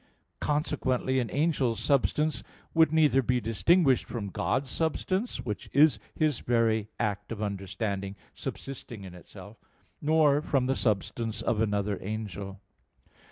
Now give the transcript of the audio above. Consequently an angel's substance would neither be distinguished from God's substance, which is His very act of understanding subsisting in itself, nor from the substance of another angel.